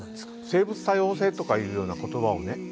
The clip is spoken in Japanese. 生物多様性とかいうような言葉をね